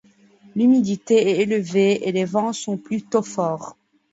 L'humidité est élevée, et les vents sont plutôt forts.